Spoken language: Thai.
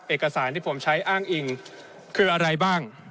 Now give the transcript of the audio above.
เอกสารที่ผมใช้อ้างอิงคืออะไรบ้าง